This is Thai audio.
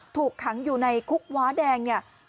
ถูกขังอยู่ในคุกว้าแดงเนี่ย